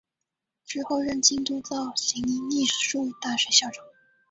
之后任京都造形艺术大学校长。